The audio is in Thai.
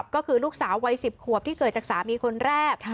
ก็คือลูกสาววัย๑๐ขวบที่เกิดจากสามีคนแรก